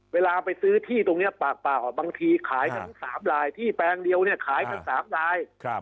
เวลาไปซื้อที่ตรงนี้ปากเปล่าบางทีขายทั้ง๓ลายที่แปลงเดียวเนี่ยขายทั้ง๓ลาย